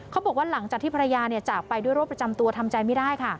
หลังจากที่ภรรยาจากไปด้วยโรคประจำตัวทำใจไม่ได้ค่ะ